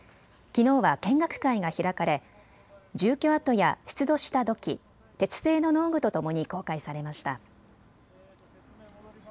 きのうは見学会が開かれ住居跡や出土した土器、鉄製の農具とともに公開されました。